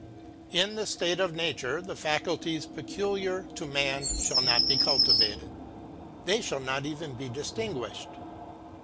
In the State of Nature the faculties peculiar to man shall not be cultivated; they shall not even be distinguished.